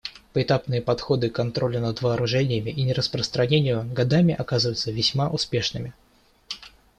Поэтапные подходы к контролю над вооружениями и нераспространению годами оказываются весьма успешными.